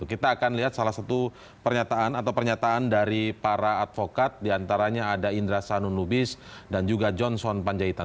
kita akan lihat salah satu pernyataan atau pernyataan dari para advokat diantaranya ada indra sanun lubis dan juga johnson panjaitan